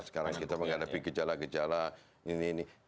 sekarang kita menghadapi gejala gejala ini ini